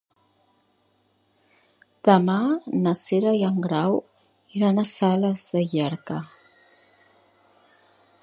Demà na Cira i en Grau iran a Sales de Llierca.